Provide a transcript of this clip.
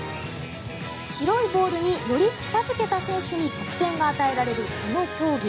白いボールにより近付けた選手に得点が与えられるこの競技。